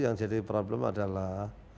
yang jadi problem adalah